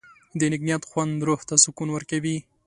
د نیک نیت خوند روح ته سکون ورکوي.